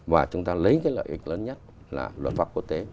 và chúng ta lấy cái lợi ích lớn nhất là luật pháp quốc tế